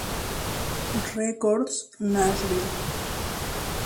Records Nashville.